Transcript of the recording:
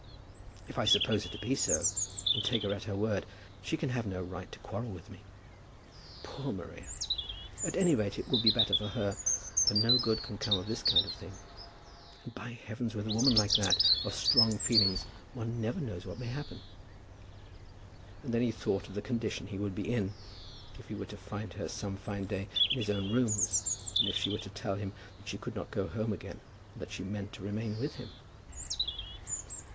If I suppose her to be so, and take her at her word, she can have no right to quarrel with me. Poor Maria! at any rate it will be better for her, for no good can come of this kind of thing. And, by heavens, with a woman like that, of strong feelings, one never knows what may happen." And then he thought of the condition he would be in, if he were to find her some fine day in his own rooms, and if she were to tell him that she could not go home again, and that she meant to remain with him!